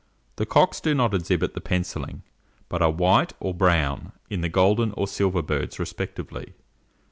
The cocks do not exhibit the pencillings, but are white or brown in the golden or silver birds respectively.